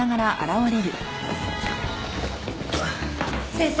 先生